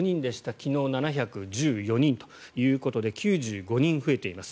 昨日は７１４人ということで９５人増えています。